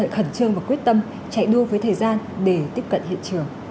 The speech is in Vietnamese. khẩn trương và quyết tâm chạy đua với thời gian để tiếp cận hiện trường